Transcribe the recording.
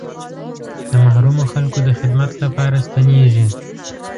د محرومو خلکو د خدمت لپاره ستنېږي.